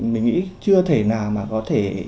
mình nghĩ chưa thể nào mà có thể